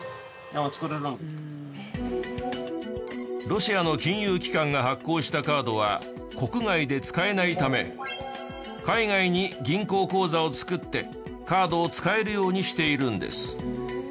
ロシアの金融機関が発行したカードは国外で使えないため海外に銀行口座を作ってカードを使えるようにしているんです。